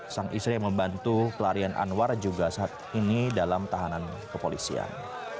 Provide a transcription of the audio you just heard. sang istri yang membantu pelarian anwar juga saat ini dalam tahanan kepolisian